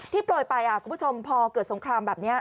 โปรยไปคุณผู้ชมพอเกิดสงครามแบบนี้